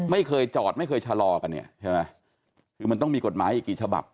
ไม่เคยจอดไม่เคยชะลอกันเนี่ยใช่ไหมคือมันต้องมีกฎหมายอีกกี่ฉบับ